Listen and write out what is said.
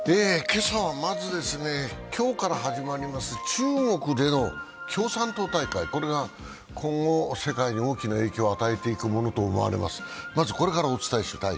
今朝はまず、今日から始まります中国での共産党大会、これが今後、世界に大きな影響を与えていくものと思われます。